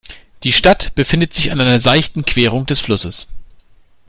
Die Stadt befindet sich an einer seichten Querung des Flusses.